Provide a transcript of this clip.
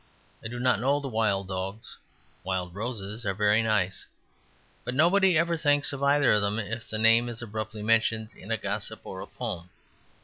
I do not know the wild dogs; wild roses are very nice. But nobody ever thinks of either of them if the name is abruptly mentioned in a gossip or a poem.